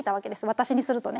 私にするとね。